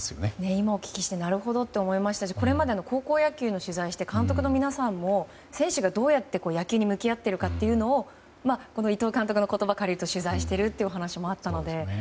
今お聞きしてなるほどと思いましたしこれまでの高校野球の取材してきても監督の皆さんも選手たちが野球に向き合っているか伊藤監督の言葉を借りると取材しているというお話もあったので。